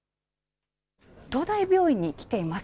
東大病院に来ています。